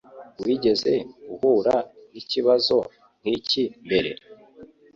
Wigeze uhura nikibazo nkiki mbere?